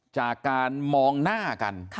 จากการมองหน้ากัน